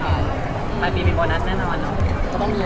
หมายพี่มีโบนัสแน่นอนเหรอก็ต้องมี